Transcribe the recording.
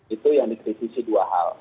itu yang dikritisi dua hal